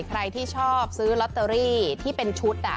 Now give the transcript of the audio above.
ใครที่ชอบซื้อลอตเตอรี่ที่เป็นชุด